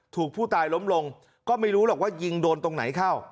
ถูกผู้ตายล้มลงก็ไม่รู้หรอกว่ายิงโดนตรงไหนเข้า